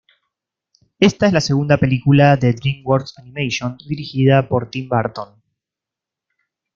Esta es la segunda película de DreamWorks Animation dirigida por Tim Burton.